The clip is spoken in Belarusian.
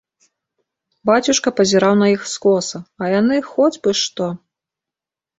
Бацюшка пазіраў на іх скоса, а яны хоць бы што.